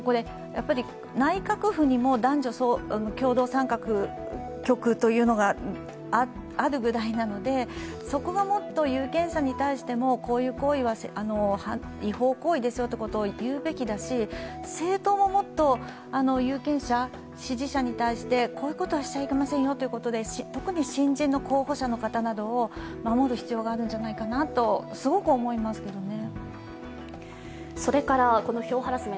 内閣府にも男女共同参画局というのがあるぐらいなのでそこがもっと有権者に対しても、こういう行為は違法行為ですよと言うべきだし、政党ももっと有権者、支持者に対してこういうことはしちゃいけませんよということで、特に新人の候補者を守る必要があるんじゃないかとすごく思いますけどね。